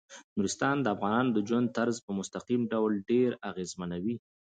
نورستان د افغانانو د ژوند طرز په مستقیم ډول ډیر اغېزمنوي.